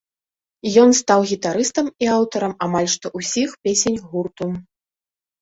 Ён стаў гітарыстам і аўтарам амаль што ўсіх песень гурту.